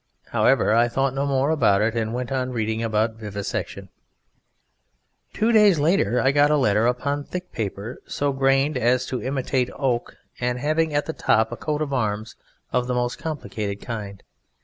However, I thought no more about it, and went on reading about "Vivisection." Two days later I got a letter upon thick paper, so grained as to imitate oak, and having at the top a coat of arms of the most complicated kind.